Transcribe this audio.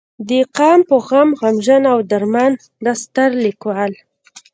د قام پۀ غم غمژن او درمند دا ستر ليکوال